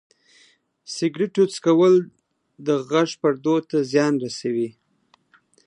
سګرټو څښل د غږ پردو ته زیان رسوي.